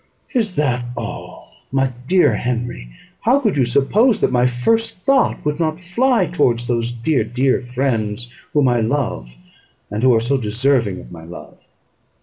"Is that all, my dear Henry? How could you suppose that my first thought would not fly towards those dear, dear friends whom I love, and who are so deserving of my love."